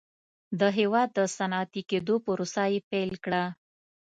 د هېواد د صنعتي کېدو پروسه یې پیل کړه.